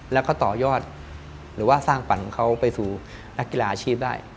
แล้วก็ต่อยอดหรือว่าสร้างฝันของเขาไปสู่นักกีฬาอาชีพได้